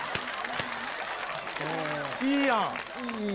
いいやん！